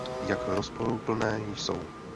Jak rozporuplné jsou?